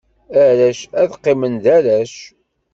Arrac ad qqimen d arrac.